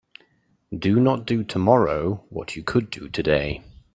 Do not do tomorrow what you could do today.